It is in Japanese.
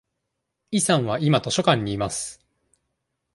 イさんは今図書館にいます。